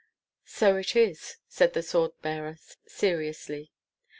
"So it is," said the sword bearer, seriously.